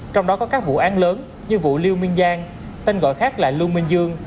trong đó có các vụ án lớn như vụ liêu minh giang tên gọi khác là lưu minh dương